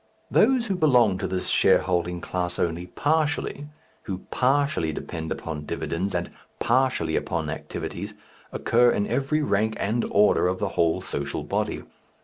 Those who belong to this shareholding class only partially, who partially depend upon dividends and partially upon activities, occur in every rank and order of the whole social body.